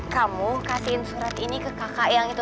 kamu kasihin surat ini ke kakak yang itu